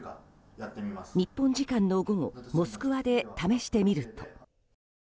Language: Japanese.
日本時間の午後モスクワで試してみると。